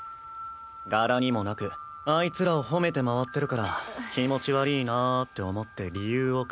柄にもなくあいつらを褒めて回ってるから気持ち悪ぃなって思って理由を考えたんだが